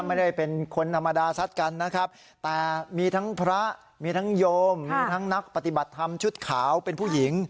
ไม่ได้เป็นคนธรรมดาซัดกันนะครับแต่มีทั้งพระมีทั้งโยมมีทั้งนักปฏิบัติธรรมชุดขาวเป็นผู้หญิง